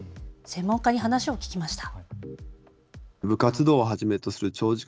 専門家に話を聞きました。